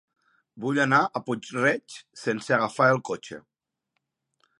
Vull anar a Puig-reig sense agafar el cotxe.